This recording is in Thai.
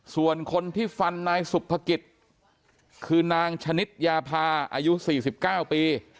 ส่วนคนที่ฟันนายสุภกิจคือนางชนิดยาพาอายุ๔๙ปี